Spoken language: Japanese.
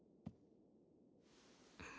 うん。